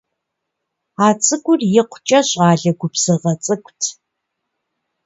А цӏыкӏур икъукӀэ щӀалэ губзыгъэ цӀыкӀут.